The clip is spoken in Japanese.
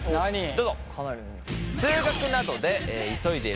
どうぞ。